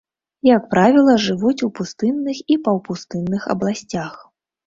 Як правіла, жывуць у пустынных і паўпустынных абласцях.